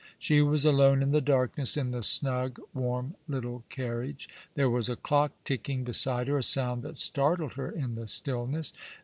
She was alone in the darkness in the snug, warm little carriage. There was a clock ticking beside her, a sound that startled her in the stillness.